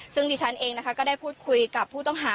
ซึ่งดิฉันเองนะคะก็ได้พูดคุยกับผู้ต้องหา